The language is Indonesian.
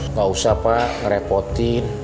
nggak usah pak nge repotin